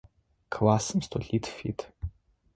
Классым столитф ит.